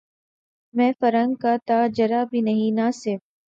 مے فرنگ کا تہ جرعہ بھی نہیں ناصاف